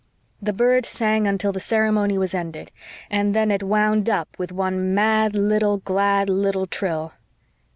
The bird sang until the ceremony was ended and then it wound up with one mad little, glad little trill.